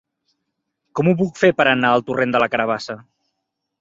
Com ho puc fer per anar al torrent de la Carabassa?